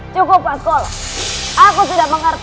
cukup waskol aku sudah mengerti